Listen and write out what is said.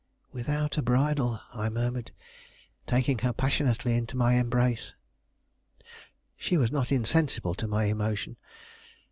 "Without a bridal," I murmured, taking her passionately into my embrace. She was not insensible to my emotion.